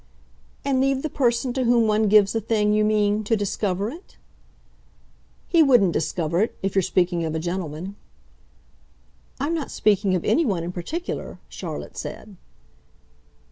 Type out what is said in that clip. "And leave the person to whom one gives the thing, you mean, to discover it?" "He wouldn't discover it if you're speaking of a gentleman." "I'm not speaking of anyone in particular," Charlotte said.